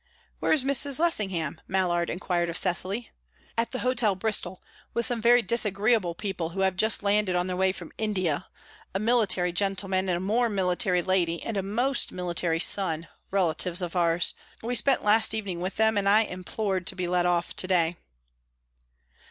"Where is Mrs. Lessingham?" Mallard inquired of Cecily. "At the Hotel Bristol, with some very disagreeable people who have just landed on their way from India a military gentleman, and a more military lady, and a most military son, relatives of ours. We spent last evening with them, and I implored to be let off to day."